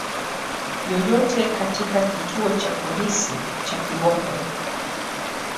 yoyote katika kituo cha polisi cha Kibondo